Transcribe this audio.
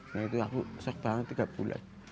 nah itu aku sok banget tiga bulan